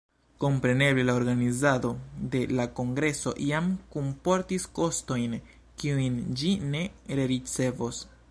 Kompreneble la organizado de la kongreso jam kunportis kostojn, kiujn ĝi ne rericevos.